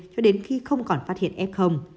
cho đến khi không còn phát hiện f